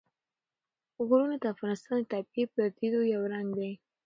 غرونه د افغانستان د طبیعي پدیدو یو رنګ دی.